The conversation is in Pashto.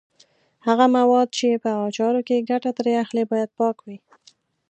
هغه مواد چې په اچارو کې ګټه ترې اخلي باید پاک وي.